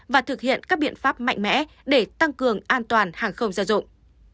và thực hiện các biện pháp mạnh mẽ để tăng cường an toàn hàng không gia dụng